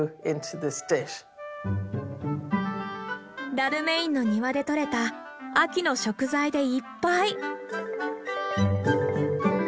ダルメインの庭で採れた秋の食材でいっぱい。